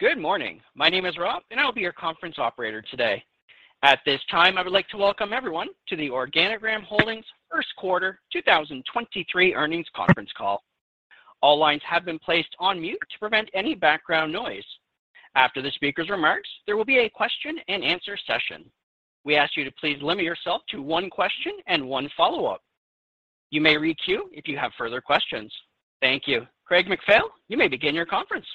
Good morning. My name is Rob, and I'll be your conference operator today. At this time, I would like to welcome everyone to the Organigram Holdings first quarter 2023 earnings conference call. All lines have been placed on mute to prevent any background noise. After the speaker's remarks, there will be a question-and-answer session. We ask you to please limit yourself to one question and one follow-up. You may re-queue if you have further questions. Thank you. Craig MacPhail, you may begin your conference.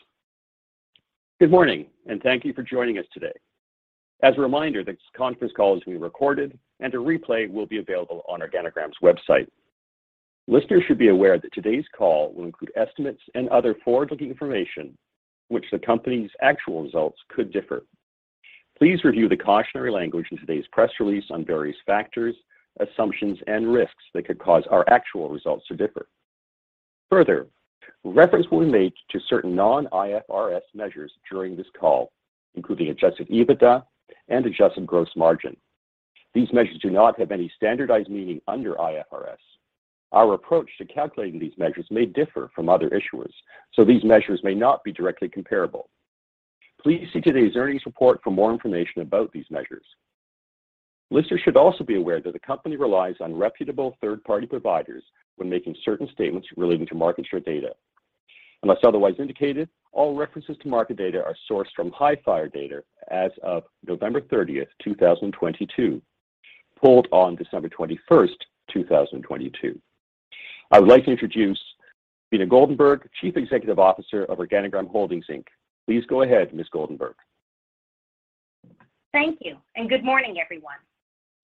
Good morning, and thank you for joining us today. As a reminder, this conference call is being recorded and a replay will be available on Organigram's website. Listeners should be aware that today's call will include estimates and other forward-looking information which the company's actual results could differ. Please review the cautionary language in today's press release on various factors, assumptions, and risks that could cause our actual results to differ. Further, reference will be made to certain non-IFRS measures during this call, including adjusted EBITDA and adjusted gross margin. These measures do not have any standardized meaning under IFRS. Our approach to calculating these measures may differ from other issuers, so these measures may not be directly comparable. Please see today's earnings report for more information about these measures. Listeners should also be aware that the company relies on reputable third-party providers when making certain statements relating to market share data. Unless otherwise indicated, all references to market data are sourced from Hifyre Data as of November 30, 2022, pulled on December 21, 2022. I would like to introduce Beena Goldenberg, Chief Executive Officer of Organigram Holdings Inc. Please go ahead, Ms. Goldenberg. Thank you. Good morning, everyone.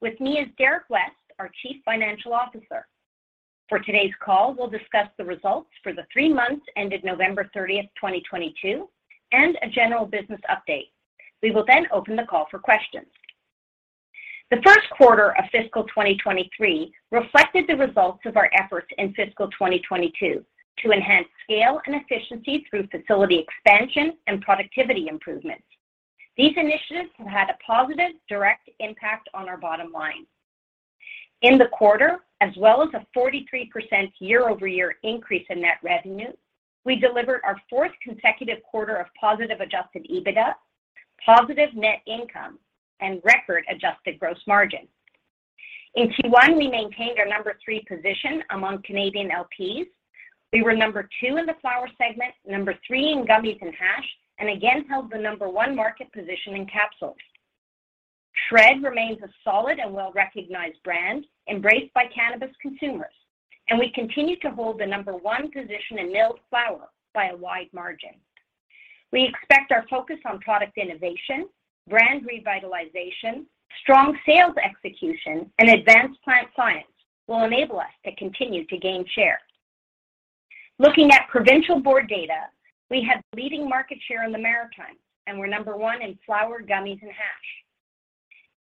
With me is Derrick West, our Chief Financial Officer. For today's call, we'll discuss the results for the three months ended November 30th, 2022, and a general business update. We will open the call for questions. The first quarter of fiscal 2023 reflected the results of our efforts in fiscal 2022 to enhance scale and efficiency through facility expansion and productivity improvements. These initiatives have had a positive direct impact on our bottom line. In the quarter, as well as a 43% year-over-year increase in net revenue, we delivered our fourth consecutive quarter of positive adjusted EBITDA, positive net income, and record adjusted gross margin. In Q1, we maintained our number three position among Canadian LPs. We were two in the flower segment, three in gummies and hash, and again held the one market position in capsules. SHRED remains a solid and well-recognized brand embraced by cannabis consumers. We continue to hold the one position in milled flower by a wide margin. We expect our focus on product innovation, brand revitalization, strong sales execution, and advanced plant science will enable us to continue to gain share. Looking at provincial board data, we had leading market share in the Maritime and were one in flower, gummies, and hash.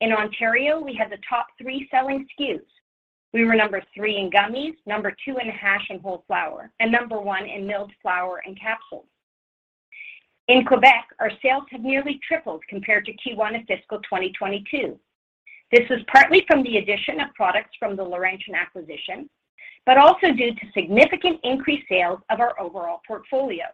In Ontario, we had the top three selling SKUs. We were three in gummies, two in hash and whole flower, and one in milled flower and capsules. In Quebec, our sales have nearly tripled compared to Q1 of fiscal 2022. This is partly from the addition of products from the Laurentian acquisition, but also due to significant increased sales of our overall portfolio.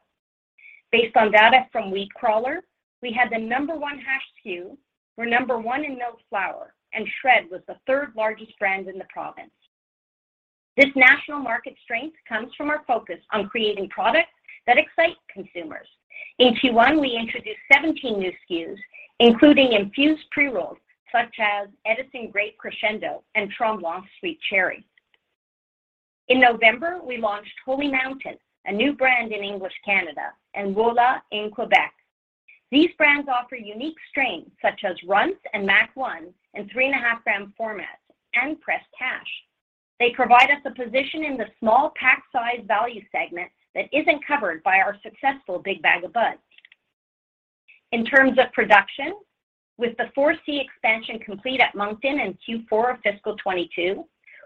Based on data from WeedCrawler, we had the number one hash SKU, were number one in milled flower, and SHRED was the third-largest brand in the province. This national market strength comes from our focus on creating products that excite consumers. In Q1, we introduced 17 new SKUs, including infused pre-rolls such as Edison Grape Crescendo and Tremblant Sweet Cherry. In November, we launched HOLY MOUNTAIN, a new brand in English Canada, and Wola in Quebec. These brands offer unique strains such as R*NTZ and MAC-1 in 3.5 gram formats and pressed hash. They provide us a position in the small pack size value segment that isn't covered by our successful Big Bag o' Buds. In terms of production, with the 4C expansion complete at Moncton in Q4 of fiscal 2022,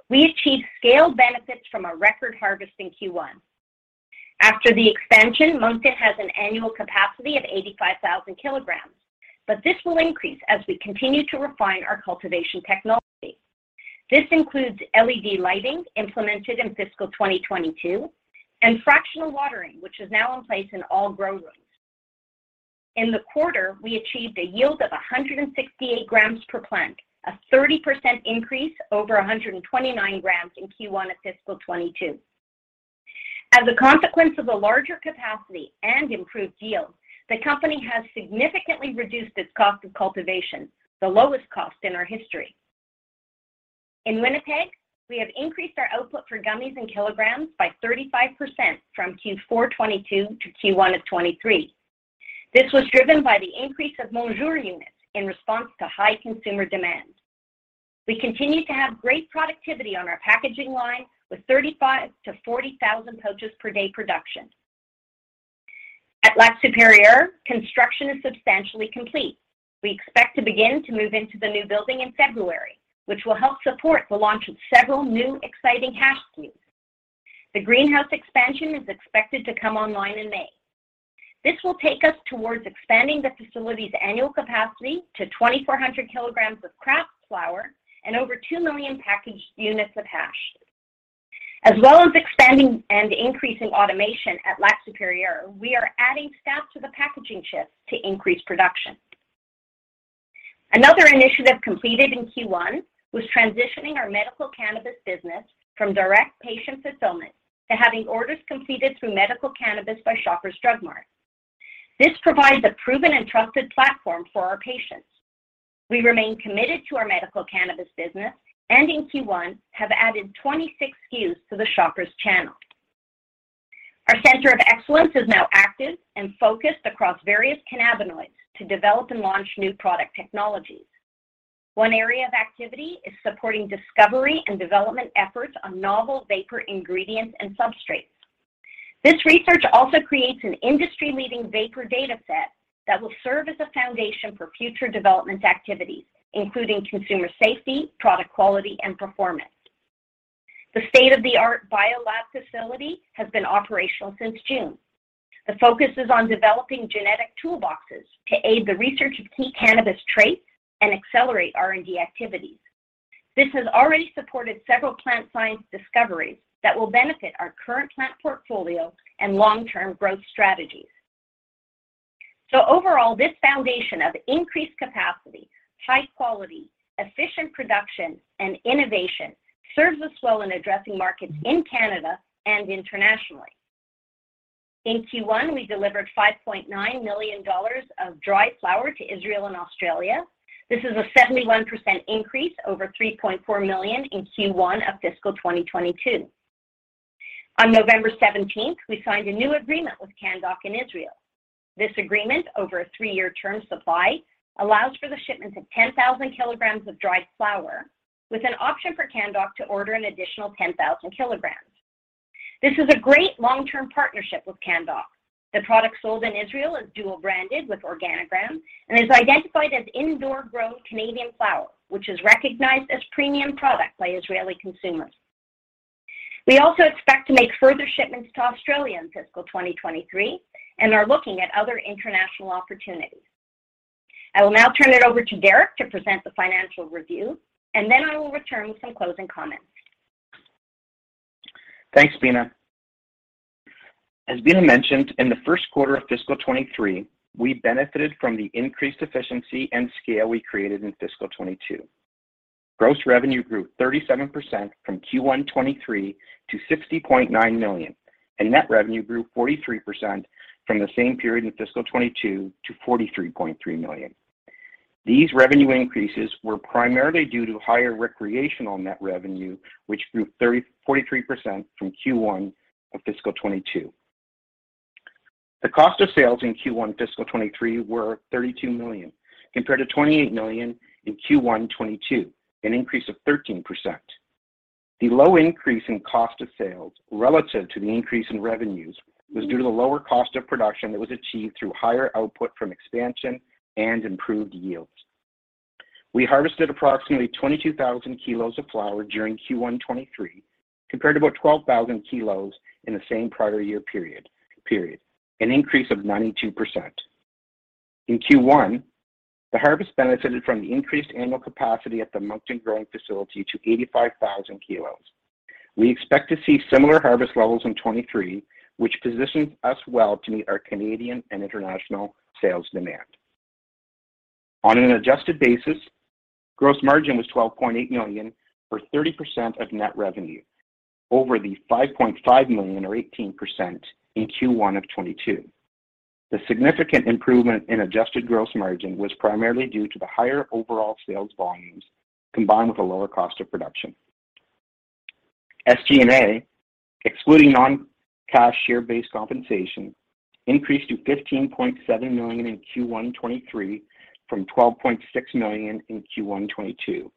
we achieved scale benefits from a record harvest in Q1. After the expansion, Moncton has an annual capacity of 85,000 kg, but this will increase as we continue to refine our cultivation technology. This includes LED lighting implemented in fiscal 2022 and fractional watering, which is now in place in all grow rooms. In the quarter, we achieved a yield of 168 grams per plant, a 30% increase over 129 grams in Q1 of fiscal 2022. As a consequence of a larger capacity and improved yield, the company has significantly reduced its cost of cultivation, the lowest cost in our history. In Winnipeg, we have increased our output for gummies and kilograms by 35% from Q4 2022 to Q1 of 2023. This was driven by the increase of Monjour units in response to high consumer demand. We continue to have great productivity on our packaging line with 35,000-40,000 pouches per day production. At Lac-Supérieur, construction is substantially complete. We expect to begin to move into the new building in February, which will help support the launch of several new exciting hash SKUs. The greenhouse expansion is expected to come online in May. This will take us towards expanding the facility's annual capacity to 2,400 kg of craft flower and over two million packaged units of hash. Expanding and increasing automation at Lac-Supérieur, we are adding staff to the packaging shift to increase production. Another initiative completed in Q1 was transitioning our medical cannabis business from direct patient fulfillment to having orders completed through medical cannabis by Shoppers Drug Mart. This provides a proven and trusted platform for our patients. We remain committed to our medical cannabis business and in Q1 have added 26 SKUs to the Shoppers channel. Our Center of Excellence is now active and focused across various cannabinoids to develop and launch new product technologies. One area of activity is supporting discovery and development efforts on novel vapor ingredients and substrates. This research also creates an industry-leading vapor data set that will serve as a foundation for future development activities, including consumer safety, product quality, and performance. The state-of-the-art bio-lab facility has been operational since June. The focus is on developing genetic toolboxes to aid the research of key cannabis traits and accelerate R&D activities. This has already supported several plant science discoveries that will benefit our current plant portfolio and long-term growth strategies. Overall, this foundation of increased capacity, high-quality, efficient production, and innovation serves us well in addressing markets in Canada and internationally. In Q1, we delivered 5.9 million dollars of dried flower to Israel and Australia. This is a 71% increase over 3.4 million in Q1 of fiscal 2022. On November 17th, we signed a new agreement with Canndoc in Israel. This agreement over a three-year term supply allows for the shipment of 10,000 kg of dried flower, with an option for Canndoc to order an additional 10,000 kg. This is a great long-term partnership with Canndoc. The product sold in Israel is dual-branded with Organigram and is identified as indoor-grown Canadian flower, which is recognized as premium product by Israeli consumers. We also expect to make further shipments to Australia in fiscal 2023 and are looking at other international opportunities. I will now turn it over to Derrick to present the financial review, and then I will return with some closing comments. Thanks, Beena. As Beena mentioned, in the first quarter of fiscal 2023, we benefited from the increased efficiency and scale we created in fiscal 2022. Gross revenue grew 37% from Q1 2023 to 60.9 million, Net revenue grew 43% from the same period in fiscal 2022 to 43.3 million. These revenue increases were primarily due to higher recreational net revenue, which grew 43% from Q1 of fiscal 2022. The cost of sales in Q1 fiscal 2023 were 32 million, compared to 28 million in Q1 2022, an increase of 13%. The low increase in cost of sales relative to the increase in revenues was due to the lower cost of production that was achieved through higher output from expansion and improved yields. We harvested approximately 22,000 kg of flower during Q1 2023, compared to about 12,000 kg in the same prior year period, an increase of 92%. In Q1, the harvest benefited from the increased annual capacity at the Moncton growing facility to 85,000 kg. We expect to see similar harvest levels in 2023, which positions us well to meet our Canadian and international sales demand. On an adjusted basis, gross margin was 12.8 million, or 30% of net revenue, over the 5.5 million or 18% in Q1 of 2022. The significant improvement in adjusted gross margin was primarily due to the higher overall sales volumes combined with a lower cost of production. SG&A, excluding non-cash share-based compensation, increased to 15.7 million in Q1 2023 from 12.6 million in Q1 2022.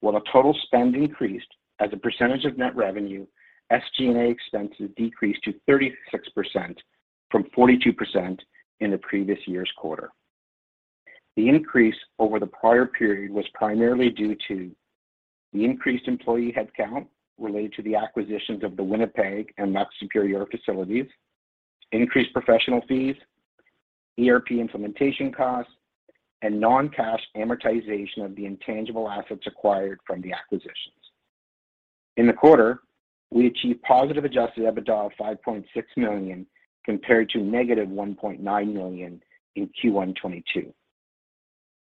While the total spend increased as a percentage of net revenue, SG&A expenses decreased to 36% from 42% in the previous year's quarter. The increase over the prior period was primarily due to the increased employee headcount related to the acquisitions of the Winnipeg and Lac-Supérieur facilities, increased professional fees, ERP implementation costs, and non-cash amortization of the intangible assets acquired from the acquisitions. In the quarter, we achieved positive adjusted EBITDA of 5.6 million compared to negative 1.9 million in Q1 2022.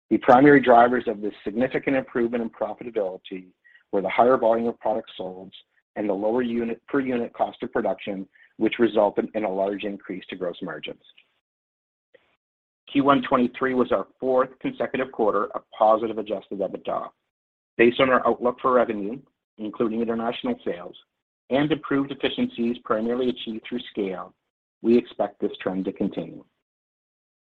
The primary drivers of this significant improvement in profitability were the higher volume of products sold and the lower per unit cost of production, which resulted in a large increase to gross margins. Q1 2023 was our fourth consecutive quarter of positive adjusted EBITDA. Based on our outlook for revenue, including international sales and improved efficiencies primarily achieved through scale, we expect this trend to continue.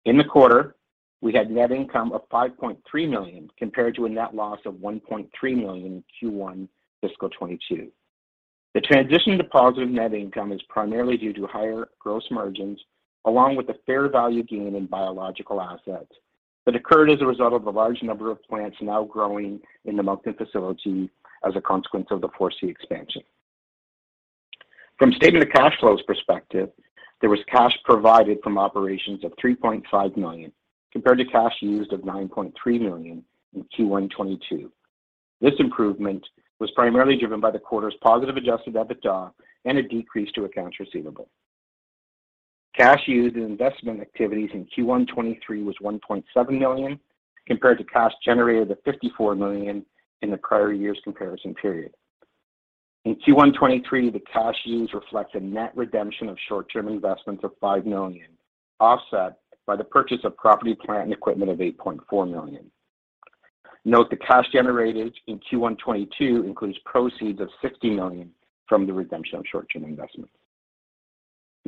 In the quarter, we had net income of 5.3 million compared to a net loss of 1.3 million in Q1 fiscal 2022. The transition to positive net income is primarily due to higher gross margins along with the fair value gain in biological assets that occurred as a result of a large number of plants now growing in the Moncton facility as a consequence of the 4C expansion. Statement of cash flows perspective, there was cash provided from operations of 3.5 million, compared to cash used of 9.3 million in Q1 2022. This improvement was primarily driven by the quarter's positive adjusted EBITDA and a decrease to accounts receivable. Cash used in investment activities in Q1 2023 was 1.7 million, compared to cash generated of 54 million in the prior year's comparison period. In Q1 2023, the cash used reflects a net redemption of short-term investments of 5 million, offset by the purchase of property, plant, and equipment of 8.4 million. Note the cash generated in Q1 2022 includes proceeds of 60 million from the redemption of short-term investments.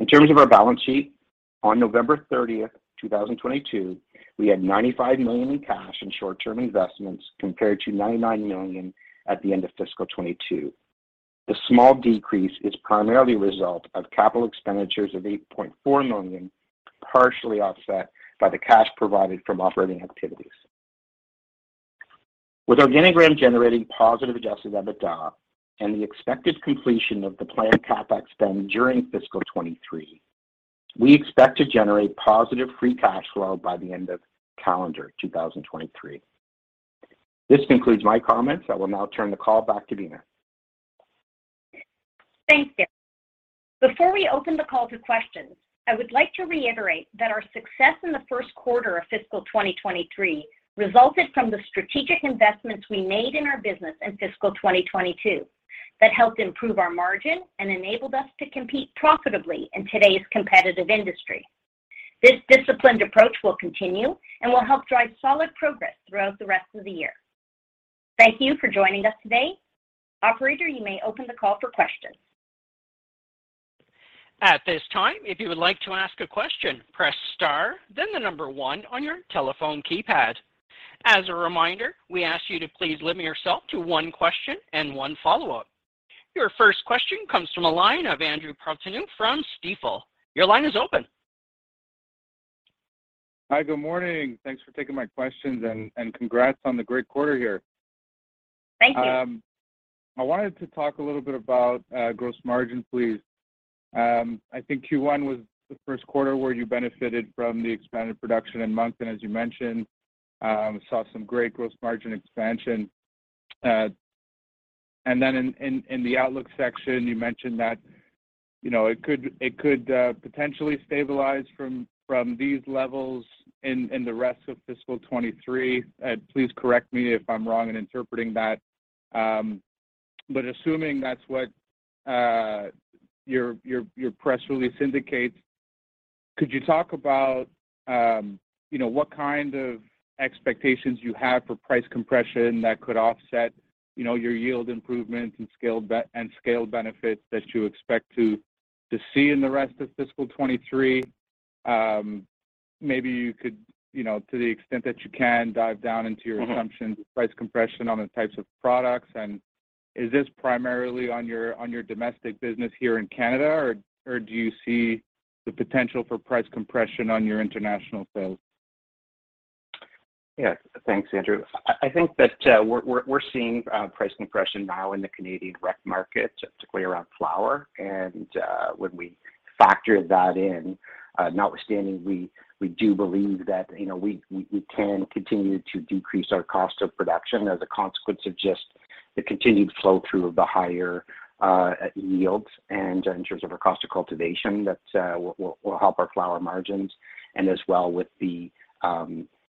In terms of our balance sheet, on November 30, 2022, we had 95 million in cash and short-term investments, compared to 99 million at the end of fiscal 2022. The small decrease is primarily a result of capital expenditures of 8.4 million, partially offset by the cash provided from operating activities. With Organigram generating positive adjusted EBITDA and the expected completion of the planned CapEx spend during fiscal 2023, we expect to generate positive free cash flow by the end of calendar 2023. This concludes my comments. I will now turn the call back to Beena. Thank you. Before we open the call to questions, I would like to reiterate that our success in the first quarter of fiscal 2023 resulted from the strategic investments we made in our business in fiscal 2022 that helped improve our margin and enabled us to compete profitably in today's competitive industry. This disciplined approach will continue and will help drive solid progress throughout the rest of the year. Thank you for joining us today. Operator, you may open the call for questions. At this time, if you would like to ask a question, press star, then the number one on your telephone keypad. As a reminder, we ask you to please limit yourself to one question and one follow-up. Your first question comes from a line of Andrew Partheniou from Stifel. Your line is open. Hi, good morning. Thanks for taking my questions and congrats on the great quarter here. Thank you. I wanted to talk a little bit about gross margin, please. I think Q1 was the first quarter where you benefited from the expanded production in Moncton, as you mentioned, saw some great gross margin expansion. In the outlook section, you mentioned that, you know, it could potentially stabilize from these levels in the rest of fiscal 2023. Please correct me if I'm wrong in interpreting that. Assuming that's what your press release indicates, could you talk about, you know, what kind of expectations you have for price compression that could offset, you know, your yield improvements and scale benefits that you expect to see in the rest of fiscal 2023? Maybe you could, you know, to the extent that you can, dive down into your assumptions. Mm-hmm Price compression on the types of products. Is this primarily on your domestic business here in Canada, or do you see the potential for price compression on your international sales? Yes. Thanks, Andrew. I think that we're seeing price compression now in the Canadian rec market, particularly around flower. When we factor that in, notwithstanding, we do believe that, you know, we can continue to decrease our cost of production as a consequence of just the continued flow-through of the higher yields and in terms of our cost of cultivation. That will help our flower margins. As well with the,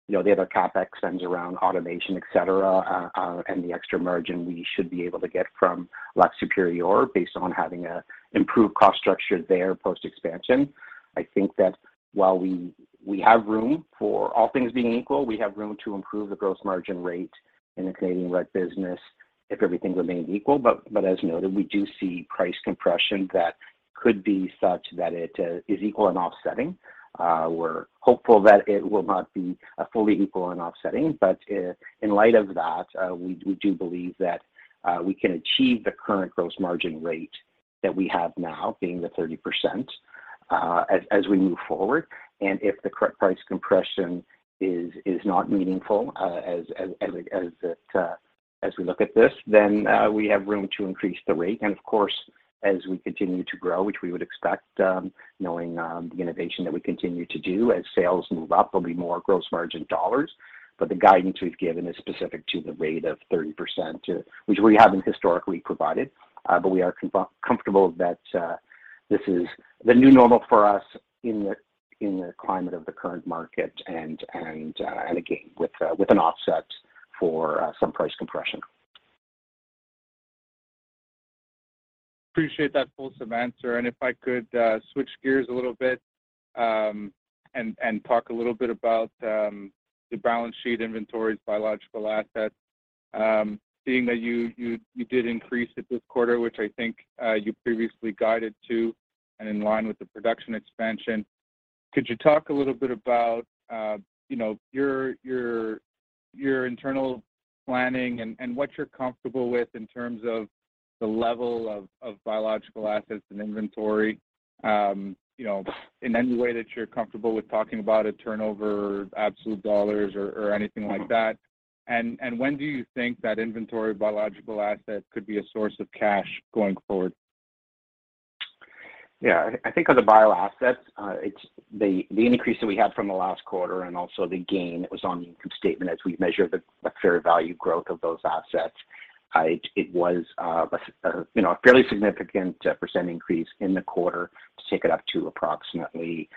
you know, the other CapEx spends around automation, et cetera, and the extra margin we should be able to get from Lac-Supérieur based on having a improved cost structure there post-expansion. I think that while we have room for, all things being equal, we have room to improve the gross margin rate in the Canadian rec business if everything remained equal. As noted, we do see price compression that could be such that it is equal and offsetting. We're hopeful that it will not be fully equal and offsetting, in light of that, we do believe that we can achieve the current gross margin rate that we have now, being the 30%, as we move forward. If the price compression is not meaningful, as we look at this, then we have room to increase the rate. Of course, as we continue to grow, which we would expect, knowing, the innovation that we continue to do as sales move up, there'll be more gross margin dollars. The guidance we've given is specific to the rate of 30%, which we haven't historically provided. We are comfortable that this is the new normal for us in the climate of the current market and again, with an offset for some price compression. Appreciate that fulsome answer. If I could switch gears a little bit, and talk a little bit about the balance sheet inventories, biological assets. Seeing that you did increase it this quarter, which I think you previously guided to and in line with the production expansion, could you talk a little bit about, you know, your internal planning and what you're comfortable with in terms of the level of biological assets and inventory, you know, in any way that you're comfortable with talking about a turnover, absolute dollars or anything like that? When do you think that inventory of biological assets could be a source of cash going forward? I think on the bio assets, it's the increase that we had from the last quarter and also the gain that was on the income statement as we measure the fair value growth of those assets, it was, you know, a fairly significant % increase in the quarter to take it up to approximately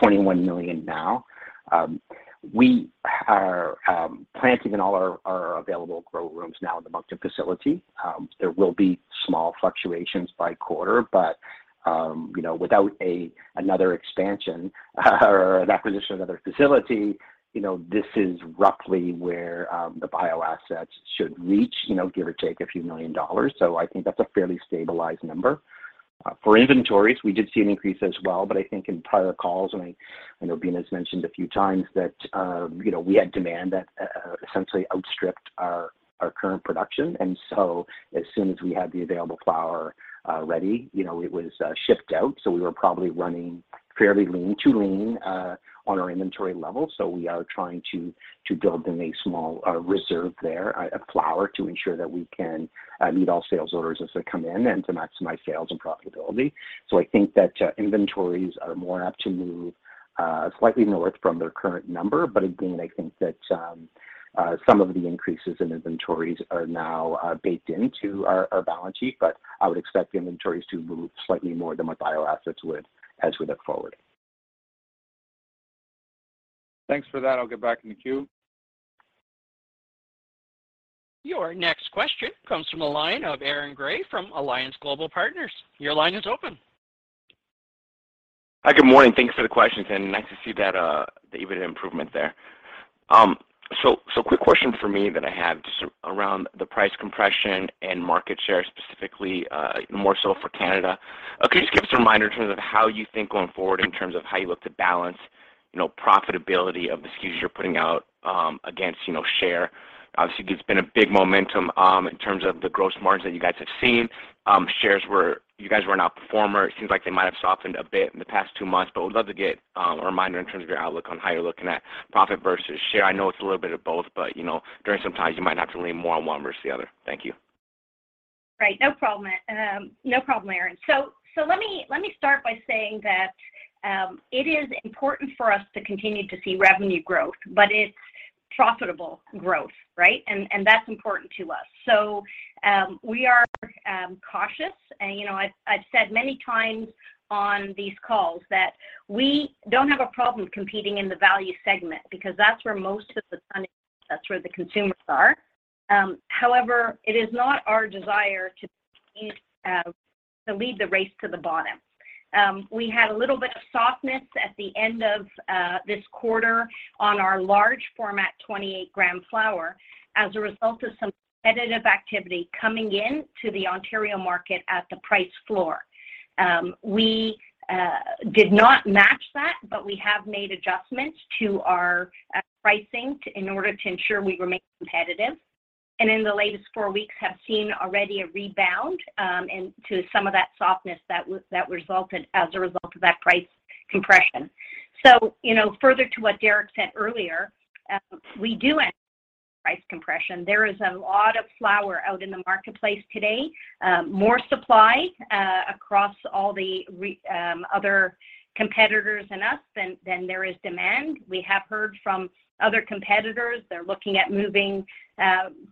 21 million now. We are planting in all our available grow rooms now in the Moncton facility. There will be small fluctuations by quarter, but, you know, without another expansion or an acquisition of another facility, you know, this is roughly where the bio assets should reach, you know, give or take a few million dollars. I think that's a fairly stabilized number. For inventories, we did see an increase as well. I think in prior calls, and I know Beena's mentioned a few times that, you know, we had demand that essentially outstripped our current production. As soon as we had the available flower ready, you know, it was shipped out, so we were probably running fairly lean to lean on our inventory levels. We are trying to build in a small reserve there of flower to ensure that we can meet all sales orders as they come in and to maximize sales and profitability. I think that inventories are more apt to move slightly north from their current number. Again, I think that some of the increases in inventories are now baked into our balance sheet, but I would expect the inventories to move slightly more than what bio assets would as we look forward. Thanks for that. I'll get back in the queue. Your next question comes from the line of Aaron Grey from Alliance Global Partners. Your line is open. Hi, good morning. Thanks for the questions. Nice to see that the EBITDA improvement there. Quick question for me that I have just around the price compression and market share specifically, more so for Canada. Could you just give us a reminder in terms of how you think going forward in terms of how you look to balance, you know, profitability of the SKUs you're putting out against, you know, share? Obviously, it's been a big momentum in terms of the gross margins that you guys have seen. You guys were an outperformer. It seems like they might have softened a bit in the past two months. Would love to get a reminder in terms of your outlook on how you're looking at profit versus share. I know it's a little bit of both, but, you know, during some times you might have to lean more on one versus the other. Thank you. Right. No problem. No problem, Aaron. Let me start by saying that it is important for us to continue to see revenue growth, but it's profitable growth, right? That's important to us. We are cautious. You know, I've said many times on these calls that we don't have a problem competing in the value segment because that's where most of the spending, that's where the consumers are. However, it is not our desire to lead the race to the bottom. We had a little bit of softness at the end of this quarter on our large format 28-gram flower as a result of some competitive activity coming in to the Ontario market at the price floor. We did not match that, but we have made adjustments to our pricing in order to ensure we remain competitive. In the latest four weeks have seen already a rebound and to some of that softness that resulted as a result of that price compression. You know, further to what Derrick said earlier, we do have price compression. There is a lot of flower out in the marketplace today, more supply across all the other competitors and us than there is demand. We have heard from other competitors. They're looking at moving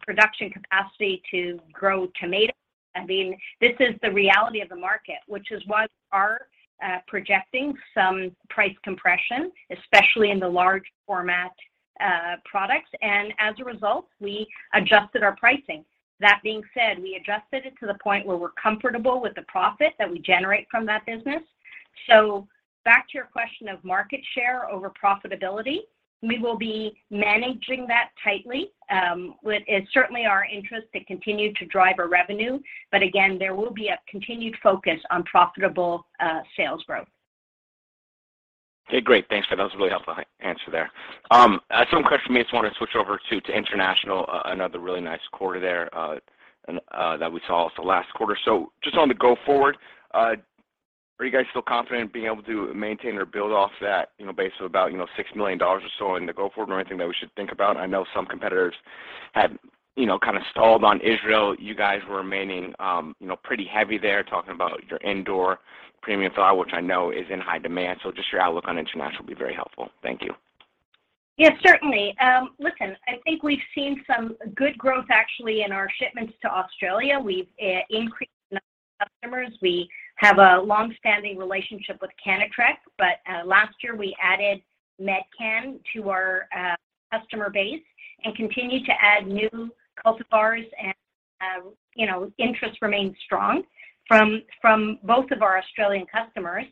production capacity to grow tomatoes. I mean, this is the reality of the market, which is why we are projecting some price compression, especially in the large format products. As a result, we adjusted our pricing. That being said, we adjusted it to the point where we're comfortable with the profit that we generate from that business. Back to your question of market share over profitability, we will be managing that tightly. It's certainly our interest to continue to drive our revenue, but again, there will be a continued focus on profitable sales growth. Okay, great. Thanks for that. That was a really helpful answer there. A question for me, just want to switch over to international, another really nice quarter there, and that we saw also last quarter. Just on the go forward, are you guys still confident in being able to maintain or build off that, you know, base of about, you know, 6 million dollars or so in the go forward or anything that we should think about? I know some competitors have, you know, kind of stalled on Israel. You guys were remaining, you know, pretty heavy there, talking about your indoor premium flower, which I know is in high demand. Just your outlook on international would be very helpful. Thank you. Yes, certainly. Listen, I think we've seen some good growth actually in our shipments to Australia. We've increased customers. We have a long-standing relationship with Cannatrek, last year we added Medcan to our customer base and continued to add new cultivars and, you know, interest remains strong from both of our Australian customers.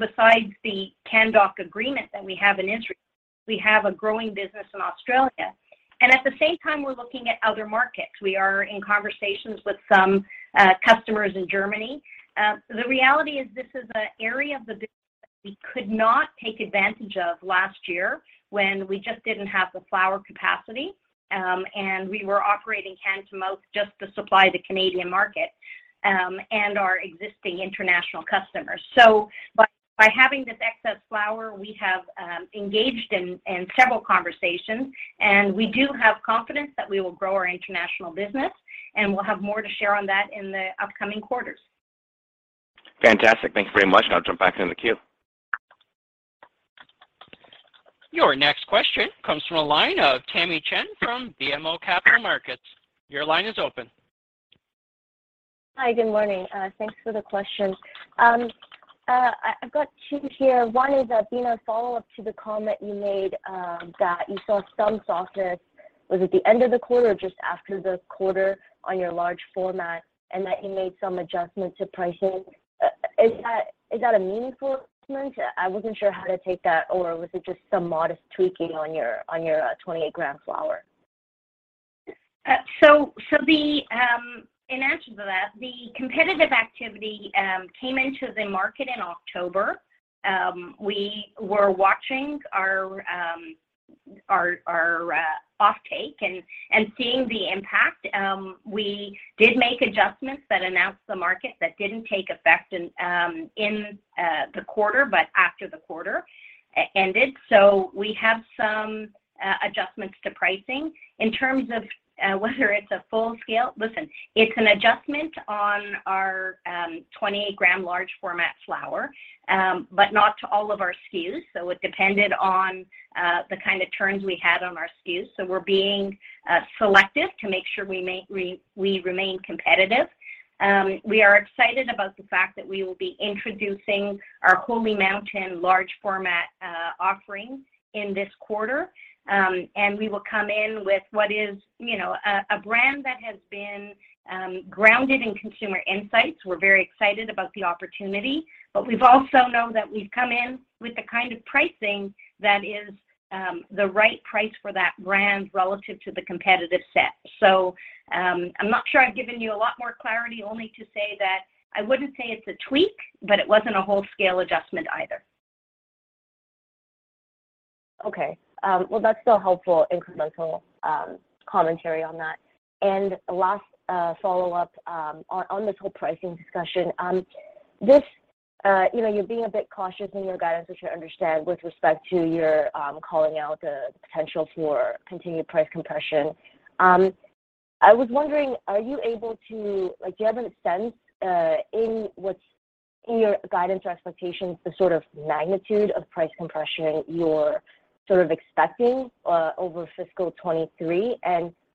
Besides the Canndoc agreement that we have in Israel, we have a growing business in Australia. At the same time, we're looking at other markets. We are in conversations with some customers in Germany. The reality is this is an area of the business we could not take advantage of last year when we just didn't have the flower capacity, and we were operating hand to mouth just to supply the Canadian market, and our existing international customers. By having this excess flower, we have engaged in several conversations, and we do have confidence that we will grow our international business, and we'll have more to share on that in the upcoming quarters. Fantastic. Thank you very much. I'll jump back in the queue. Your next question comes from the line of Tamy Chen from BMO Capital Markets. Your line is open. Hi, good morning. Thanks for the question. I've got two here. One is, Beena, a follow-up to the comment you made, that you saw some softness. Was it the end of the quarter or just after the quarter on your large format, and that you made some adjustments to pricing? Is that a meaningful adjustment? I wasn't sure how to take that, or was it just some modest tweaking on your, on your 28 gram flower? The in answer to that, the competitive activity came into the market in October. We were watching our our off take and seeing the impact. We did make adjustments that announced the market that didn't take effect in in the quarter but after the quarter ended. We have some adjustments to pricing. In terms of whether it's a full-scale. It's an adjustment on our 20-gram large format flower, but not to all of our SKUs. It depended on the kind of turns we had on our SKUs. We're being selective to make sure we remain competitive. We are excited about the fact that we will be introducing our HOLY MOUNTAIN large format offering in this quarter. We will come in with what is, you know, a brand that has been grounded in consumer insights. We're very excited about the opportunity, but we've also know that we've come in with the kind of pricing that is the right price for that brand relative to the competitive set. I'm not sure I've given you a lot more clarity only to say that I wouldn't say it's a tweak, but it wasn't a whole scale adjustment either. Okay. Well, that's still helpful incremental commentary on that. Last follow-up on this whole pricing discussion. This, you know, you're being a bit cautious in your guidance, which I understand with respect to your calling out the potential for continued price compression. I was wondering, are you able to Like, do you have a sense in your guidance or expectations, the sort of magnitude of price compression you're sort of expecting over fiscal 2023?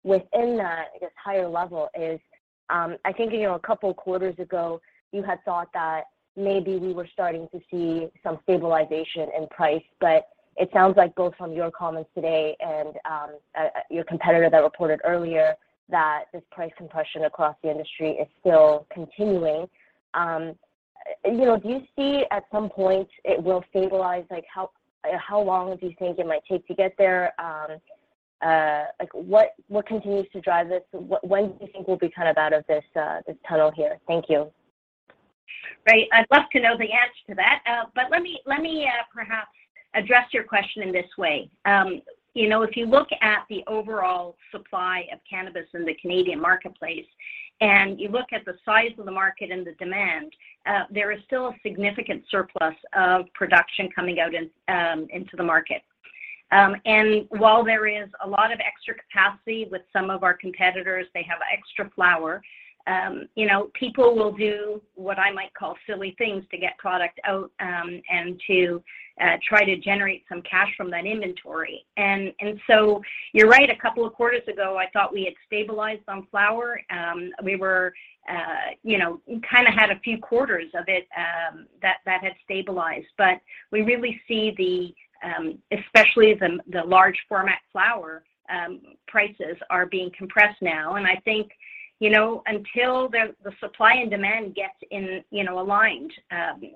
Within that, I guess, higher level is, I think, you know, a couple quarters ago, you had thought that maybe we were starting to see some stabilization in price, but it sounds like both from your comments today and your competitor that reported earlier that this price compression across the industry is still continuing. You know, do you see at some point it will stabilize? Like how long do you think it might take to get there? Like what continues to drive this? When do you think we'll be kind of out of this tunnel here? Thank you. Right. I'd love to know the answer to that. Let me, let me, perhaps address your question in this way. You know, if you look at the overall supply of cannabis in the Canadian marketplace and you look at the size of the market and the demand, there is still a significant surplus of production coming out into the market. While there is a lot of extra capacity with some of our competitors, they have extra flower, you know, people will do what I might call silly things to get product out and to try to generate some cash from that inventory. So you're right. A couple of quarters ago, I thought we had stabilized on flower. We were, you know, kind of had a few quarters of it, that had stabilized. We really see the, especially the large format flower, prices are being compressed now. I think, you know, until the supply and demand gets in, you know, aligned,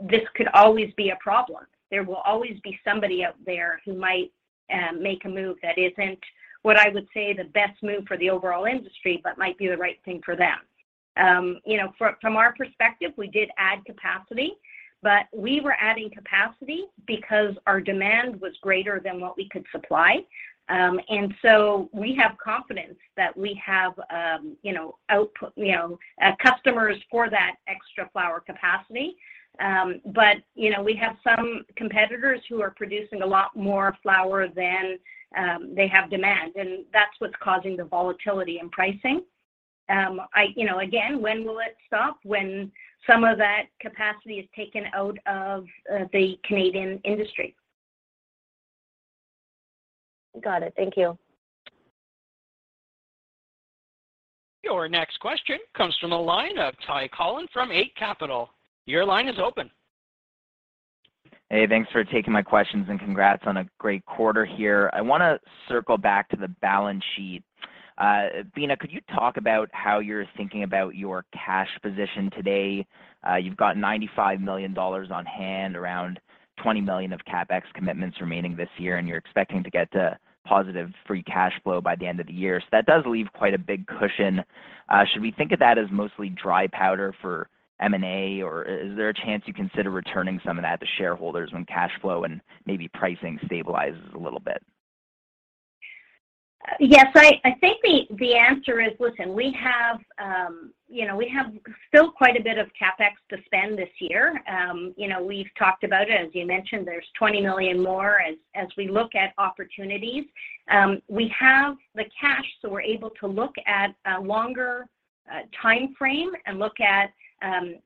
this could always be a problem. There will always be somebody out there who might make a move that isn't what I would say the best move for the overall industry, but might be the right thing for them. You know, from our perspective, we did add capacity, we were adding capacity because our demand was greater than what we could supply. So we have confidence that we have, you know, output, you know, customers for that extra flower capacity. You know, we have some competitors who are producing a lot more flower than they have demand, and that's what's causing the volatility in pricing. I, you know, again, when will it stop? When some of that capacity is taken out of the Canadian industry. Got it. Thank you. Your next question comes from the line of Ty Collin from Eight Capital. Your line is open. Thanks for taking my questions, and congrats on a great quarter here. I want to circle back to the balance sheet. Beena, could you talk about how you're thinking about your cash position today? You've got 95 million dollars on hand, around 20 million of CapEx commitments remaining this year, and you're expecting to get to positive free cash flow by the end of the year. That does leave quite a big cushion. Should we think of that as mostly dry powder for M&A, or is there a chance you consider returning some of that to shareholders when cash flow and maybe pricing stabilizes a little bit? Yes, I think the answer is, listen, we have, you know, we have still quite a bit of CapEx to spend this year. You know, we've talked about it. As you mentioned, there's 20 million more as we look at opportunities. We have the cash, so we're able to look at a longer timeframe and look at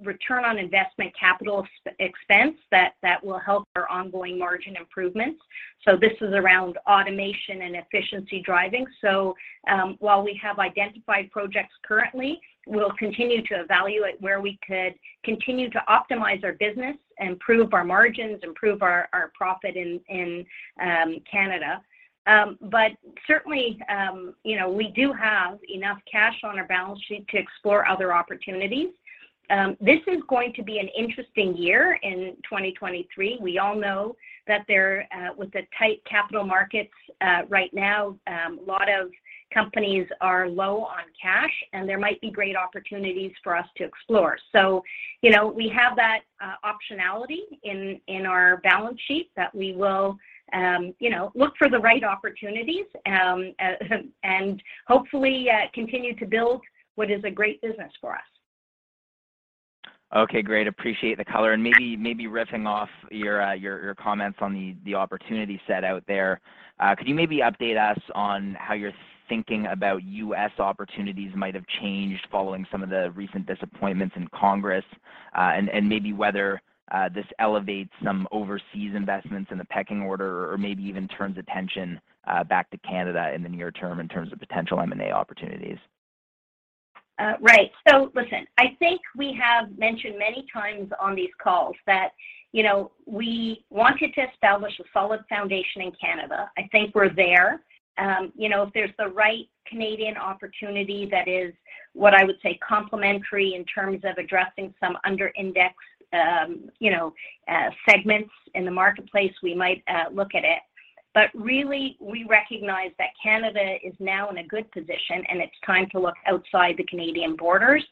return on investment capital ex-expense that will help our ongoing margin improvements. This is around automation and efficiency driving. While we have identified projects currently, we'll continue to evaluate where we could continue to optimize our business, improve our margins, improve our profit in Canada. Certainly, you know, we do have enough cash on our balance sheet to explore other opportunities. This is going to be an interesting year in 2023. We all know that there, with the tight capital markets, right now, a lot of companies are low on cash, and there might be great opportunities for us to explore. You know, we have that optionality in our balance sheet that we will, you know, look for the right opportunities, and hopefully, continue to build what is a great business for us. Okay, great. Appreciate the color. Maybe riffing off your comments on the opportunity set out there, could you maybe update us on how your thinking about U.S. opportunities might have changed following some of the recent disappointments in Congress, and maybe whether this elevates some overseas investments in the pecking order or maybe even turns attention back to Canada in the near term in terms of potential M&A opportunities? Right. Listen, I think we have mentioned many times on these calls that, you know, we wanted to establish a solid foundation in Canada. I think we're there. You know, if there's the right Canadian opportunity that is what I would say complementary in terms of addressing some under indexed, you know, segments in the marketplace, we might look at it. Really, we recognize that Canada is now in a good position, and it's time to look outside the Canadian borders.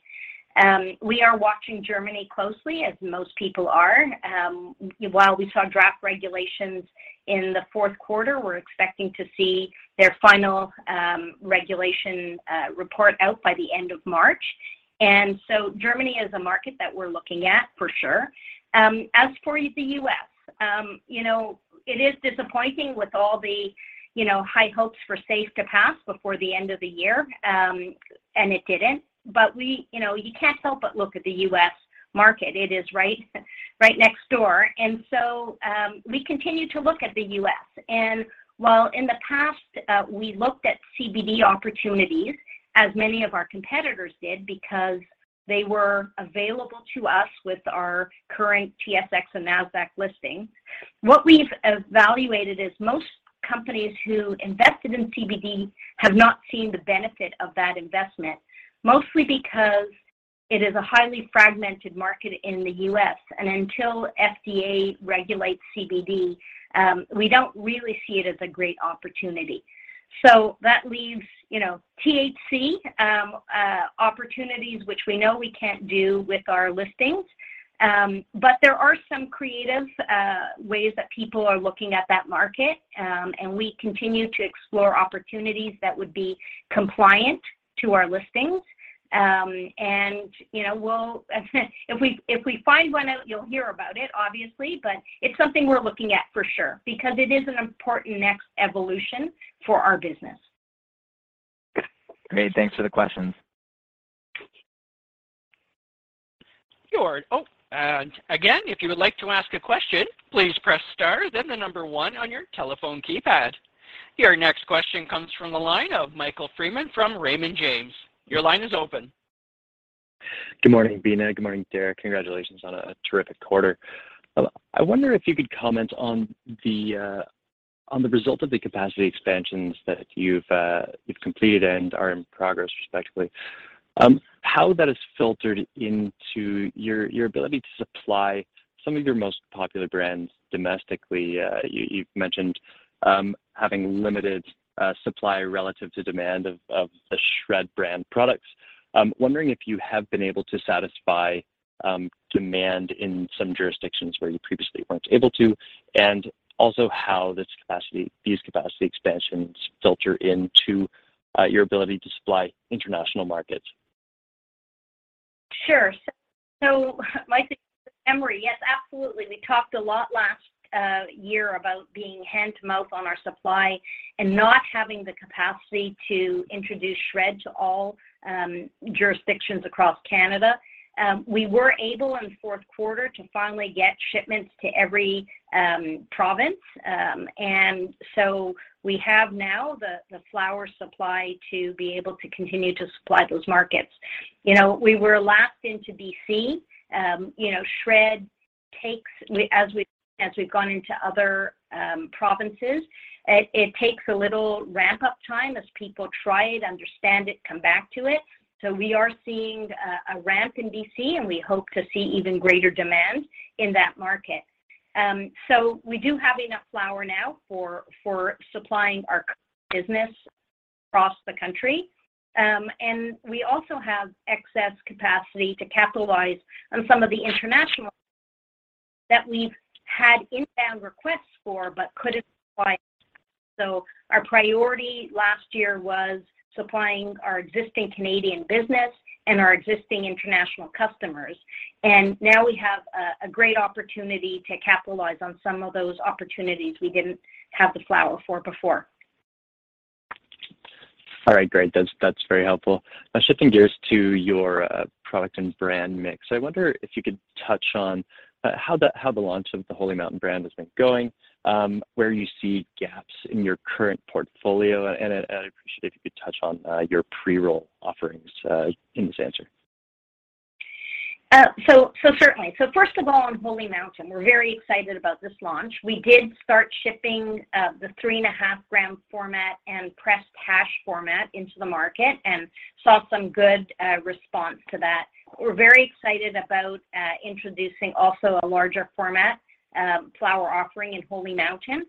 We are watching Germany closely, as most people are. While we saw draft regulations in the fourth quarter, we're expecting to see their final regulation report out by the end of March. Germany is a market that we're looking at for sure. As for the U.S., you know, it is disappointing with all the, you know, high hopes for SAFE to pass before the end of the year, it didn't. We You know, you can't help but look at the U.S. market. It is right next door. We continue to look at the U.S. While in the past, we looked at CBD opportunities, as many of our competitors did because they were available to us with our current TSX and Nasdaq listings, what we've evaluated is most companies who invested in CBD have not seen the benefit of that investment, mostly because it is a highly fragmented market in the U.S. Until FDA regulates CBD, we don't really see it as a great opportunity. That leaves, you know, THC opportunities, which we know we can't do with our listings. There are some creative ways that people are looking at that market, and we continue to explore opportunities that would be compliant to our listings. You know, we'll. If we find one, you'll hear about it obviously, but it's something we're looking at for sure because it is an important next evolution for our business. Great. Thanks for the questions. Sure. Oh, again, if you would like to ask a question, please press star then the number one on your telephone keypad. Your next question comes from the line of Michael Freeman from Raymond James. Your line is open. Good morning, Beena. Good morning, Derrick. Congratulations on a terrific quarter. I wonder if you could comment on the result of the capacity expansions that you've completed and are in progress respectively, how that has filtered into your ability to supply some of your most popular brands domestically. You've mentioned having limited supply relative to demand of the SHRED brand products. I'm wondering if you have been able to satisfy demand in some jurisdictions where you previously weren't able to, and also how these capacity expansions filter into your ability to supply international markets. Sure. Michael, Emery, yes, absolutely. We talked a lot last year about being hand to mouth on our supply and no having the capacity to introduce SHRED to all jurisdictions across Canada. We were able in fourth quarter to finally get shipments to every province, and we have now the flower supply to be able to continue to supply those markets. You know, we were last into BC. You know, SHRED takes. As we've gone into other provinces, it takes a little ramp-up time as people try it, understand it, come back to it. We are seeing a ramp in BC, and we hope to see even greater demand in that market. We do have enough flower now for supplying our business across the country. We also have excess capacity to capitalize on some of the international that we've had inbound requests for but couldn't supply. Our priority last year was supplying our existing Canadian business and our existing international customers. Now we have a great opportunity to capitalize on some of those opportunities we didn't have the flower for before. All right, great. That's very helpful. Now shifting gears to your product and brand mix, I wonder if you could touch on how the launch of the HOLY MOUNTAIN brand has been going, where you see gaps in your current portfolio, and I'd appreciate if you could touch on your pre-roll offerings in this answer. Certainly. First of all, on HOLY MOUNTAIN, we're very excited about this launch. We did start shipping the 3.5 gram format and pressed hash format into the market and saw some good response to that. We're very excited about introducing also a larger format flower offering in HOLY MOUNTAIN.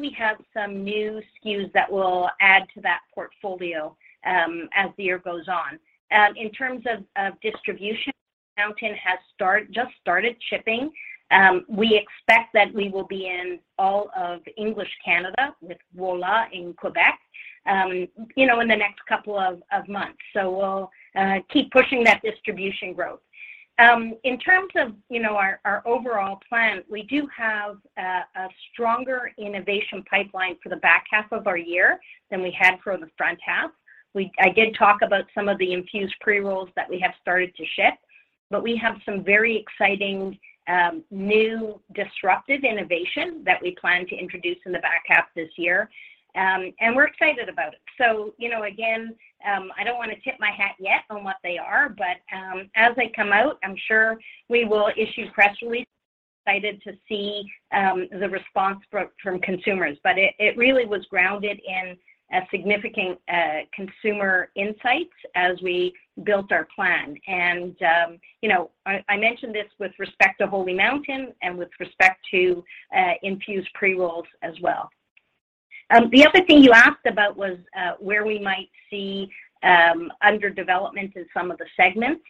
We have some new SKUs that we'll add to that portfolio as the year goes on. In terms of distribution, Mountain has just started shipping. We expect that we will be in all of English Canada with Wola in Quebec, you know, in the next couple of months. We'll keep pushing that distribution growth. In terms of, you know, our overall plan, we do have a stronger innovation pipeline for the back half of our year than we had for the front half. I did talk about some of the infused pre-rolls that we have started to ship, but we have some very exciting new disruptive innovation that we plan to introduce in the back half this year. We're excited about it. You know, again, I don't wanna tip my hat yet on what they are, but as they come out, I'm sure we will issue press releases. Excited to see the response from consumers. It really was grounded in significant consumer insights as we built our plan. You know, I mentioned this with respect to HOLY MOUNTAIN and with respect to infused pre-rolls as well. The other thing you asked about was where we might see underdevelopment in some of the segments.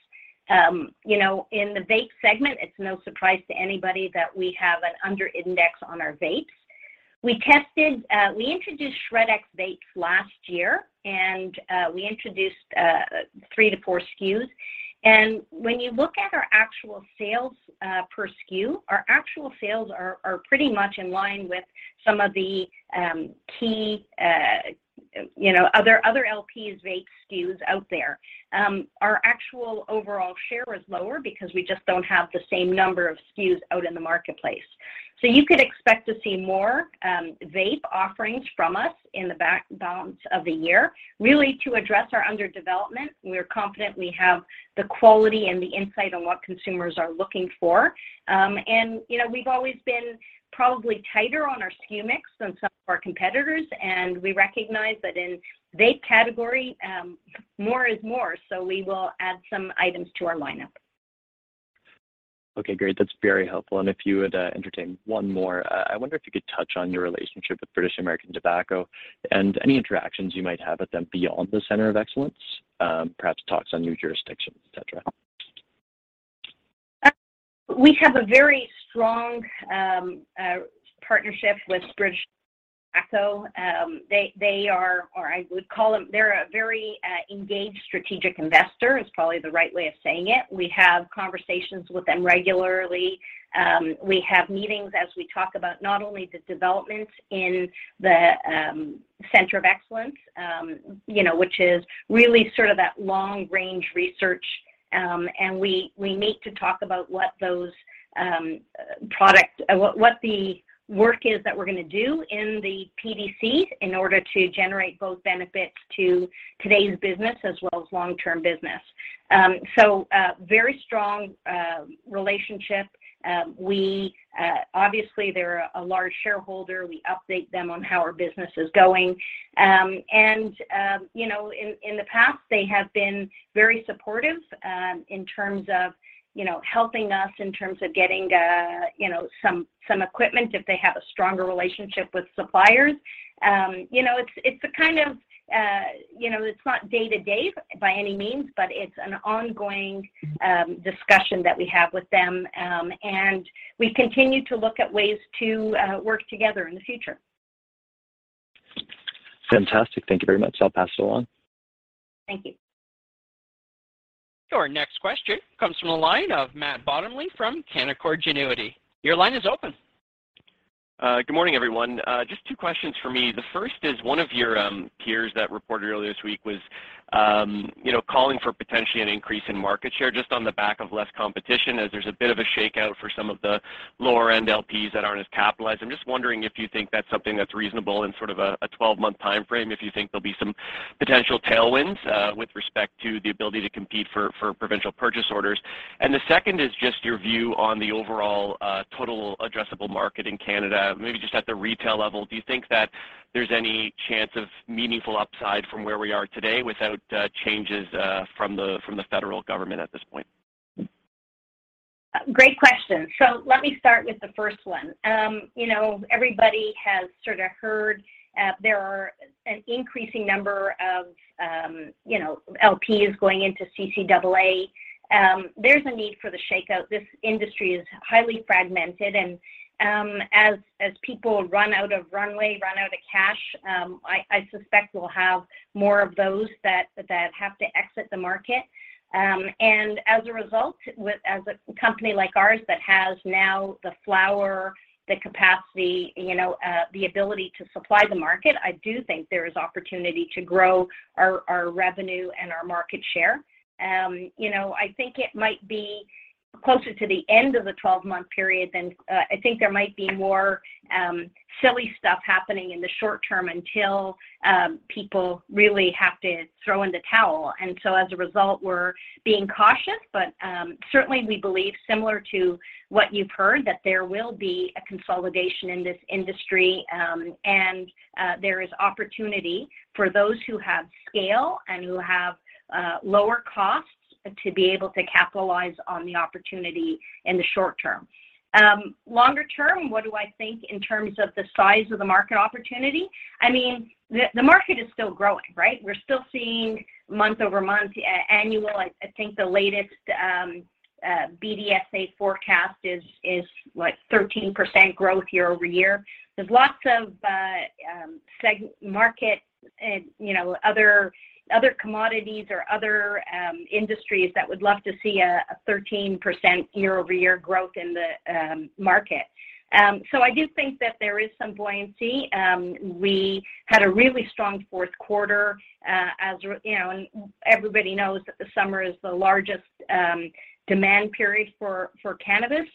You know, in the vape segment, it's no surprise to anybody that we have an underindex on our vapes. We introduced SHRED X vapes last year, we introduced 3-4 SKUs. When you look at our actual sales per SKU, our actual sales are pretty much in line with some of the key, you know, other LPs vape SKUs out there. Our actual overall share is lower because we just don't have the same number of SKUs out in the marketplace. You could expect to see more vape offerings from us in the back balance of the year, really to address our underdevelopment. We're confident we have the quality and the insight on what consumers are looking for. You know, we've always been probably tighter on our SKU mix than some of our competitors, and we recognize that in vape category, more is more, so we will add some items to our lineup. Okay, great. That's very helpful. If you would, entertain one more, I wonder if you could touch on your relationship with British American Tobacco and any interactions you might have with them beyond the Center of Excellence, perhaps talks on new jurisdictions, et cetera. We have a very strong partnership with British American Tobacco. They are, or I would call them, they're a very engaged strategic investor, is probably the right way of saying it. We have conversations with them regularly. We have meetings as we talk about not only the developments in the Center of Excellence, you know, which is really sort of that long-range research, and we meet to talk about what the work is that we're gonna do in the PDC in order to generate both benefits to today's business as well as long-term business. A very strong relationship. We obviously they're a large shareholder. We update them on how our business is going. You know, in the past, they have been very supportive, in terms of, you know, helping us in terms of getting, you know, some equipment if they have a stronger relationship with suppliers. You know, it's a kind of, you know, it's not day to day by any means, but it's an ongoing, discussion that we have with them. We continue to look at ways to, work together in the future. Fantastic. Thank you very much. I'll pass it along. Thank you. Your next question comes from the line of Matt Bottomley from Canaccord Genuity. Your line is open. Good morning, everyone. Just 2 questions for me. The first is one of your, you know, peers that reported earlier this week was calling for potentially an increase in market share just on the back of less competition as there's a bit of a shakeout for some of the lower-end LPs that aren't as capitalized. I'm just wondering if you think that's something that's reasonable in sort of a 12-month timeframe, if you think there'll be some potential tailwinds with respect to the ability to compete for provincial purchase orders. The second is just your view on the overall total addressable market in Canada, maybe just at the retail level. Do you think that there's any chance of meaningful upside from where we are today without changes from the federal government at this point? Great question. Let me start with the first one. you know, everybody has sort of heard, there are an increasing number of, you know, LPs going into CCAA. There's a need for the shakeout. This industry is highly fragmented, and, as people run out of runway, run out of cash, I suspect we'll have more of those that have to exit the market. As a result, as a company like ours that has now the flower, the capacity, you know, the ability to supply the market, I do think there is opportunity to grow our revenue and our market share. You know, I think it might be closer to the end of the 12-month period than, I think there might be more silly stuff happening in the short term until people really have to throw in the towel. As a result, we're being cautious, but certainly we believe similar to what you've heard, that there will be a consolidation in this industry, and there is opportunity for those who have scale and who have lower costs to be able to capitalize on the opportunity in the short term. Longer term, what do I think in terms of the size of the market opportunity? I mean, the market is still growing, right? We're still seeing month-over-month, annual, I think the latest BDSA forecast is what, 13% growth year-ove-year. There's lots of market and, you know, other commodities or other industries that would love to see a 13% year-over-year growth in the market. I do think that there is some buoyancy. We had a really strong fourth quarter, as you know, and everybody knows that the summer is the largest demand period for cannabis.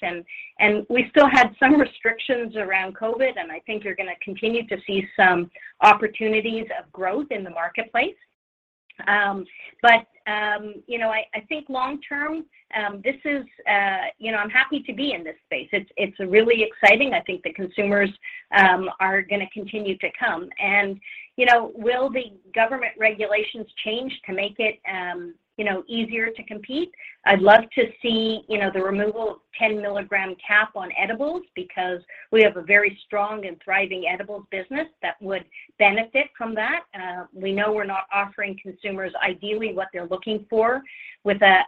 We still had some restrictions around COVID, and I think you're gonna continue to see some opportunities of growth in the marketplace. You know, I think long term, this is, you know, I'm happy to be in this space. It's really exciting. I think the consumers are gonna continue to come and, you know, will the government regulations change to make it, you know, easier to compete? I'd love to see, you know, the removal of 10 mg cap on edibles because we have a very strong and thriving edibles business that would benefit from that. We know we're not offering consumers ideally what they're looking for with a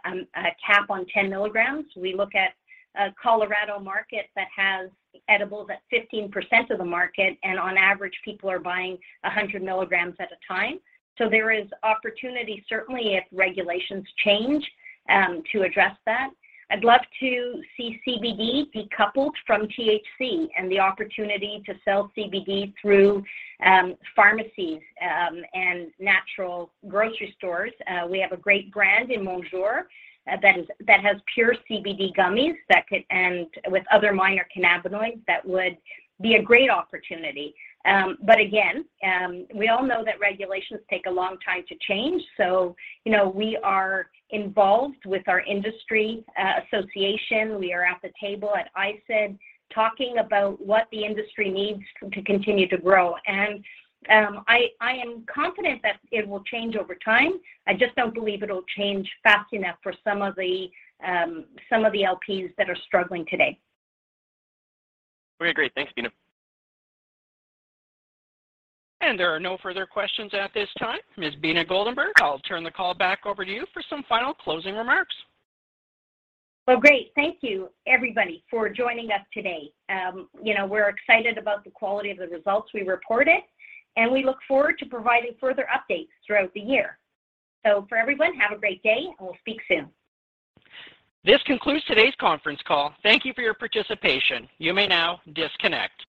cap on 10 mgs. We look at a Colorado market that has edibles at 15% of the market, and on average, people are buying 100 mgs at a time. There is opportunity, certainly if regulations change, to address that. I'd love to see CBD decoupled from THC and the opportunity to sell CBD through pharmacies and natural grocery stores. We have a great brand in Monjour that has pure CBD gummies that could and with other minor cannabinoids, that would be a great opportunity. Again, we all know that regulations take a long time to change. You know, we are involved with our industry association. We are at the table at ICED talking about what the industry needs to continue to grow. I am confident that it will change over time. I just don't believe it'll change fast enough for some of the, some of the LPs that are struggling today. Okay, great. Thanks, Beena. There are no further questions at this time. Ms. Beena Goldenberg, I'll turn the call back over to you for some final closing remarks. Great. Thank you everybody for joining us today. You know, we're excited about the quality of the results we reported, and we look forward to providing further updates throughout the year. For everyone, have a great day, and we'll speak soon. This concludes today's conference call. Thank you for your participation. You may now disconnect.